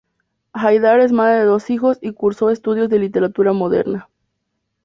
Haidar es madre de dos hijos, y cursó estudios de literatura moderna.